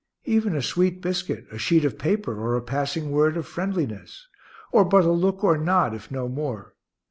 Even a sweet biscuit, a sheet of paper, or a passing word of friendliness, or but a look or nod, if no more.